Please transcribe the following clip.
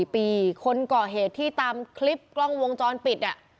๔ปีคนก่อเหตุที่ตามคลิปกล้องวงจรปิด